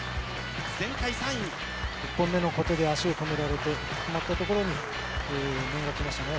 １本目の小手で足を止められて止まったところに面がきましたね。